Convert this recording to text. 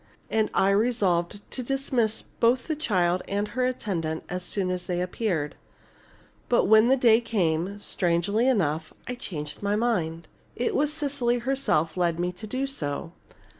And I resolved to dismiss both the child and her attendant as soon as they appeared. "But when the day came, strangely enough, I changed my mind. It was Cecily herself led me to do so.